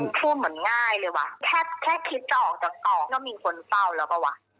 ถึงจะออกแล้วมีคนเจ้าแล้ววะ